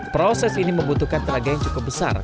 proses ini membutuhkan tenaga yang cukup besar